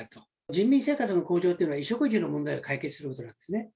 人民生活の向上というのは、衣食住の問題を解決することなんですね。